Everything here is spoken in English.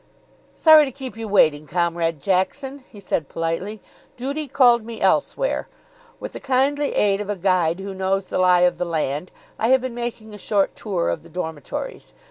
"Sorry to keep you waiting, Comrade Jackson," he said politely. "Duty called me elsewhere. With the kindly aid of a guide who knows the lie of the land, I have been making a short tour of the dormitories.